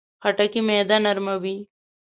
خټکی معده نرموي.